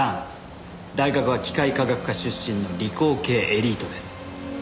大学は機械科学科出身の理工系エリートです。